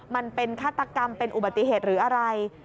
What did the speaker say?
มันเป็นฆาตกรรมเป็นอุบัติเหตุหรืออะไร